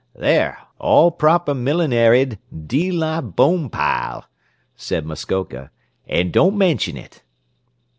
"There all proper millinaried dee la Bonepile," said Muskoka. "An' don't mention it."